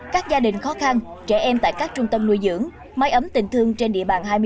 các gia đình khó khăn trẻ em tại các trung tâm nuôi dưỡng máy ấm tình thương trên địa bàn hai mươi bốn